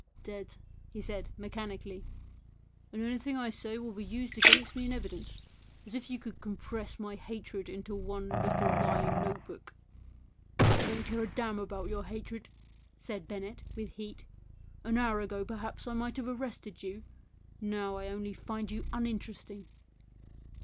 " Dead 1 " he said mechanically. " And anything I say will be used against me in evidence ! As if you could compress my hatred into one little lying notebook." " I don't care a damn about your hatred," said Bennett, with heat. " An hour ago, perhaps, I might have arrested you; now I only find you uninteresting."